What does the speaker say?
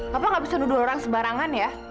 bapak nggak bisa nuduh orang sebarangan ya